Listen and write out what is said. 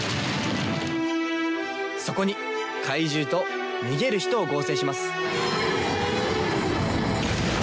そこに怪獣と逃げる人を合成します。